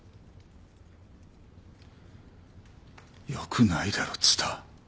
よくないだろ蔦。